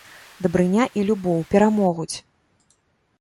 Дабрыня і любоў перамогуць!